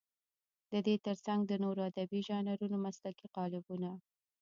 د دې تر څنګ د نورو ادبي ژانرونو مسلکي قالبونه.